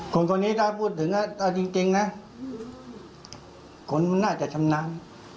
คนคนนี้ถ้าพูดถึงอ่ะอ่ะจริงจริงน่ะคนมันน่าจะชำนาญ